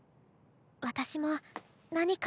私も何か。